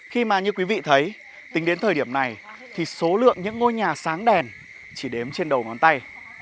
khi mà như quý vị thấy tính đến thời điểm này thì số lượng những ngôi nhà sáng đèn chỉ đếm trên đầu ngón tay